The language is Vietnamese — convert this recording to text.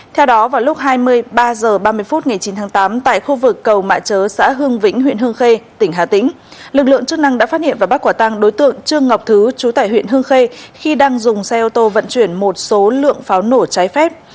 theo đó vào lúc hai mươi ba h ba mươi phút ngày chín tháng tám tại khu vực cầu mạ chớ xã hương vĩnh huyện hương khê tỉnh hà tĩnh lực lượng chức năng đã phát hiện và bắt quả tăng đối tượng trương ngọc thứ chú tại huyện hương khê khi đang dùng xe ô tô vận chuyển một số lượng pháo nổ trái phép